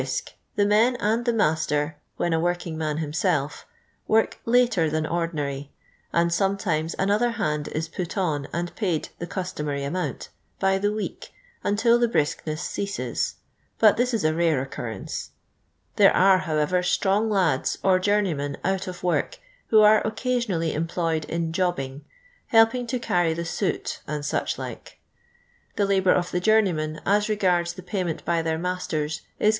sk, the men and the nuister, when a working man himself, work Liter than ordinary, and some times another hand is put on and paid the cus tomary amount, by the week, until the brisk ness cea>es ; but this is a rare occurrence. There are, however, strong lads, or journeymen out of work, wiio are nr.fi.v/n,, »(//./ eni}»'oyed in " ItJ.f l i.i</," helping to cany the . not and siicii like. The labour of the joiirnoynien. a* regards the [wynifut by their niasiers. i*